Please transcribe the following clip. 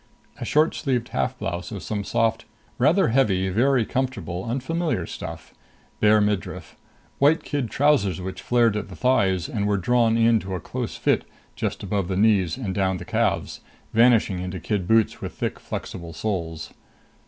A short sleeved half blouse of some soft, rather heavy, very comfortable unfamiliar stuff. Bare midriff. White kid trousers which flared at the thighs and were drawn in to a close fit just above the knees and down the calves, vanishing into kid boots with thick, flexible soles.